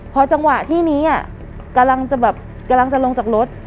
พอจังหวะที่นี้กำลังจะลงจากรถ